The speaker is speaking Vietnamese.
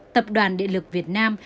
tập đoàn địa lực việt nam